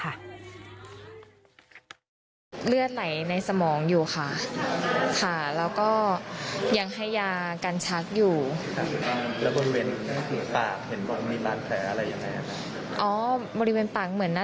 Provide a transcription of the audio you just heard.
เราพอใจกับตรงนี้ได้ยังคะอยากให้เจ้าหน้าที่ดำเนินกันยังไง